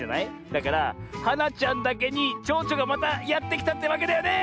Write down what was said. だからはなちゃんだけにちょうちょがまたやってきたってわけだよね！